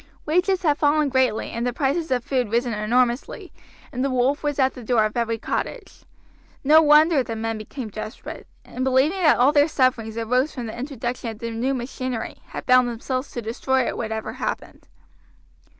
Wages had fallen greatly and the prices of food risen enormously, and the wolf was at the door of every cottage. No wonder the men became desperate, and believing that all their sufferings arose from the introduction of the new machinery, had bound themselves to destroy it whatever happened.